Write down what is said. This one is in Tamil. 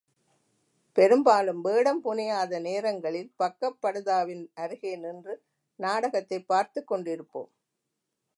பெரும்பாலும் வேடம் புனையாத நேரங்களில் பக்கப் படுதாவின் அருகே நின்று நாடகத்தைப் பார்த்துக் கொண்டிருப்போம்.